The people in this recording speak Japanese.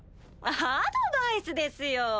アドバイスですよ。